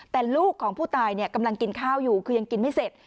แต่ลูกของผู้ตายกำลังกินข้าวอยู่คือยังกินไม่เสร็จ